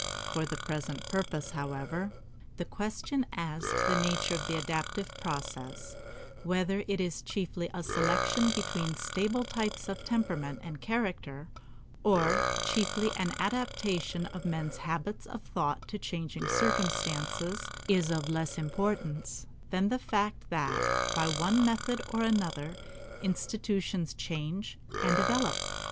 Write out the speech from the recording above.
For the present purpose, however, the question as to the nature of the adaptive process whether it is chiefly a selection between stable types of temperament and character, or chiefly an adaptation of men's habits of thought to changing circumstances is of less importance than the fact that, by one method or another, institutions change and develop.